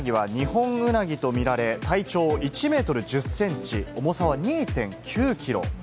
この巨大ウナギはニホンウナギと見られ、体長１ｍ１０ｃｍ、重さは２．９キロ。